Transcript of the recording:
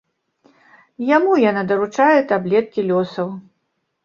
Яму яна даручае таблеткі лёсаў.